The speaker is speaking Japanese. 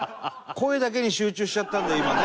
声だけに集中しちゃったんだ今ね。